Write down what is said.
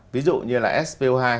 ví dụ như là s bốn